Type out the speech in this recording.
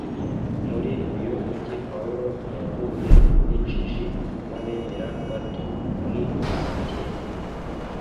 Muri uyu mujyi Pawulo ntiyahuye n’injiji n’abemera gato nk’i Lusitira,